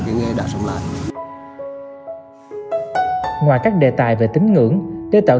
cái nghề đã xong lại ngoài các đề tài về tính ngưỡng để tạo